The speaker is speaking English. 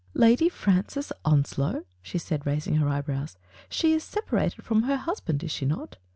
"Lady Francis Onslow?" she said, raising her eyebrows. "She is separated from her husband, is she not?"